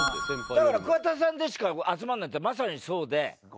だから桑田さんでしか集まらないってまさにそうで。